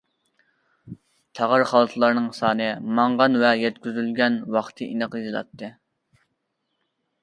تاغار خالتىلارنىڭ سانى، ماڭغان ۋە يەتكۈزۈلگەن ۋاقتى ئېنىق يېزىلاتتى.